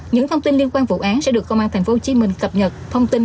những thông tin liên quan vụ án sẽ được công an thành phố hồ chí minh cập nhật thông tin